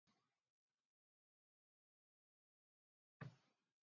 Gaztetan Mexikora emigratu eta bertan lehendabiziko telegrafo elektromagnetiko eraiki zuen.